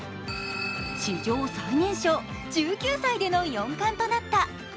史上最年少１９歳での四冠となった。